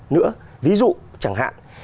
nữa ví dụ chẳng hạn